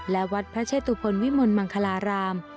และวัดพระเชตุพลวิมลมังคลาราม